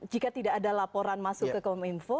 jika tidak ada laporan masuk ke kominfo